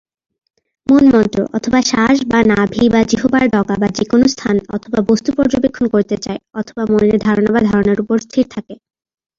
মন মন্ত্র, অথবা শ্বাস/নাভি/জিহ্বার ডগা/যেকোন স্থান, অথবা বস্তু পর্যবেক্ষণ করতে চায়, অথবা মনের ধারণা/ধারণার উপর স্থির থাকে।